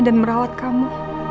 dan merawat kamu